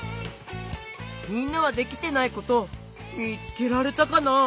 みんなはできてないことみつけられたかな？